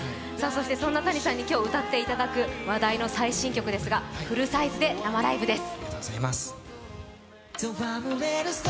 そんなＴａｎｉさんに歌っていただく話題の最新曲ですがフルサイズで生ライブです。